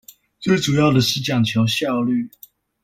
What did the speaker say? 最主要的是講求效率